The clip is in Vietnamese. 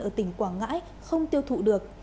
ở tỉnh quảng ngãi không tiêu thụ được